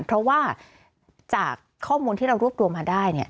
เพราะว่าจากข้อมูลที่เรารวบรวมมาได้เนี่ย